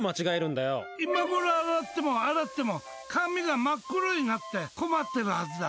今ごろ、洗っても洗っても髪が真っ黒になって困ってるはずだ！